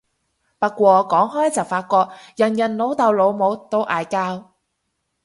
不過講開就發覺人人老豆老母都嗌交